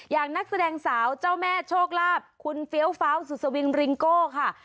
นักแสดงสาวเจ้าแม่โชคลาภคุณเฟี้ยวฟ้าวสุสวิงริงโก้ค่ะ